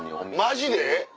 マジで？